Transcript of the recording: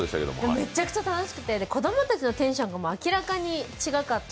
めっちゃくちゃ楽しくて、子供たちのテンションが明らかに違かった。